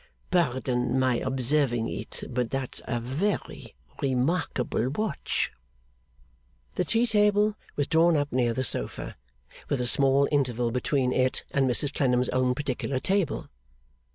Pardon my observing it, but that's a very remarkable watch!' The tea table was drawn up near the sofa, with a small interval between it and Mrs Clennam's own particular table.